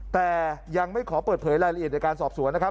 แต่ยังไม่ขอเปิดเผยรายละเอียดในการสอบสวนนะครับ